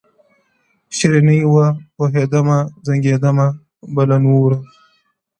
شیریني وه پوهېدمه، ځنګېدمه به له نوره!